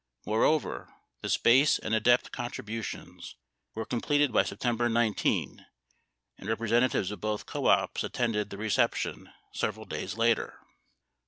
Moreover, the SPACE and ADEPT contributions were completed by September 19 and representatives of both co ops attended the reception several days later.